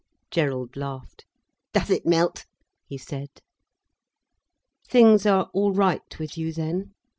Gerald laughed. "Does it melt?" he said. "Things are all right with you then?"